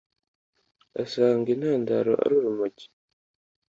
asanga intandaro ari urumogi